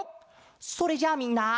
それじゃあみんな。